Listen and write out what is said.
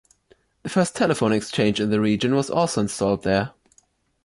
The first telephone exchange in the region was also installed there.